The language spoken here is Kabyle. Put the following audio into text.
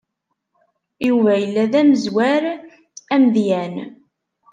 Yuba yella d amezraw amedyan.